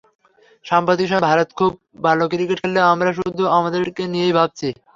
সাম্প্রতিক সময়ে ভারত খুব ভালো ক্রিকেট খেললেও আমরা শুধু আমাদেরটা নিয়েই ভাবছি।